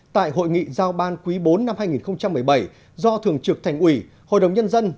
tại hội nghị giao ban quý bốn năm hai nghìn một mươi bảy do thường trực thành ủy hội đồng nhân dân